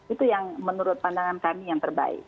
itu yang menurut pandangan kami yang terbaik